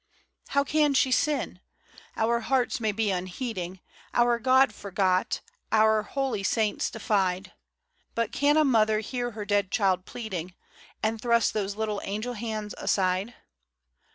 How can she sin ? Our hearts may be unheeding, Our God forgot, our holy saints defied; But can a Mother hear her dead child pleading, And thrust those little angel hands aside